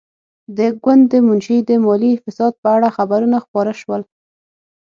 د ګوند د منشي د مالي فساد په اړه خبرونه خپاره شول.